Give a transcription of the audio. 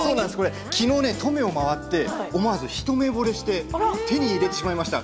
きのう登米を回って思わず一目ぼれして手に入れてしまいました。